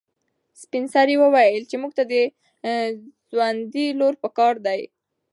سپین سرې وویل چې موږ ته د ځونډي لور په کار ده.